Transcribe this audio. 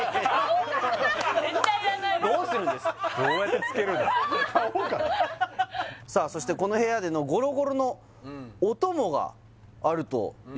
安いねどうするんですどうやってつけるんだ買おうかなさあそしてこの部屋でのがあるということですね